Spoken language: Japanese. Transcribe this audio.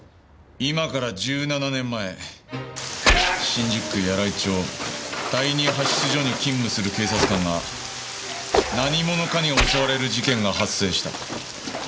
今から１７年前新宿区矢来町第二派出所に勤務する警察官が何者かに襲われる事件が発生した。